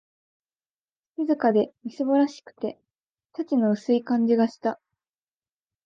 静かで、みすぼらしくて、幸の薄い感じがした